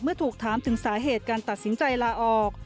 ถูกถามถึงสาเหตุการตัดสินใจลาออก